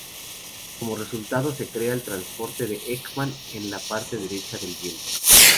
Como resultado, se crea el transporte de Ekman en la parte derecha del viento.